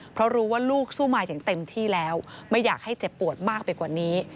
เพราะรู้ว่าลูกสู้มาอย่างเต็มที่แล้วไม่อยากให้เจ็บปวดมากไปกว่านี้